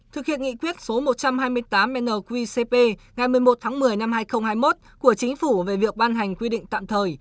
thực hiện nghị quyết số một trăm hai mươi tám nqcp ngày một mươi một tháng một mươi năm hai nghìn hai mươi một của chính phủ về việc ban hành quy định tạm thời